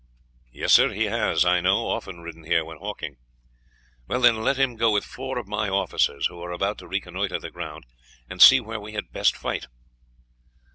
"Yes, sire; he has, I know, often ridden here when hawking." "Then let him go with four of my officers, who are about to reconnoitre the ground and see where we had best fight."